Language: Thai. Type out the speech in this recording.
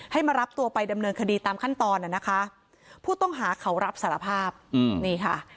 มารับตัวไปดำเนินคดีตามขั้นตอนน่ะนะคะผู้ต้องหาเขารับสารภาพอืมนี่ค่ะ